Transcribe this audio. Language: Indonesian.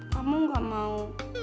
kamu gak mau